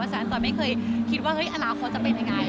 แต่ไม่เคยคิดว่าอนาคตจะเป็นอย่างไร